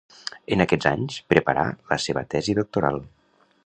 En aquests anys preparà la seva tesi doctoral.